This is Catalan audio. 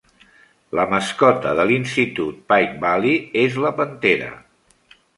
La mascota de l'Institut Pike Valley és la pantera.